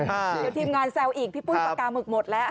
เดี๋ยวทีมงานแซวอีกพี่ปุ้ยปากกาหมึกหมดแล้ว